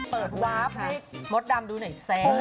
เปิดวาร์ฟให้มดดำดูหน่อยแซะ